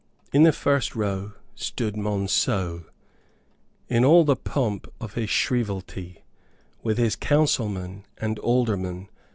In the first row stood Monceux, in all the pomp of his shrievalty, with his councilmen and aldermen.